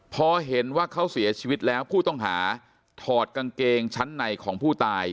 พอเห็นว่าเขาเสียชีวิตแล้วผู้ต้องหาถอดกางเกงชั้นในของผู้ตาย